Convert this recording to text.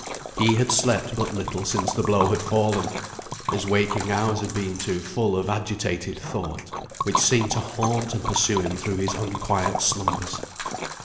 He had slept but little since the blow had fallen; his waking hours had been too full of agitated thought, which seemed to haunt and pursue him through his unquiet slumbers.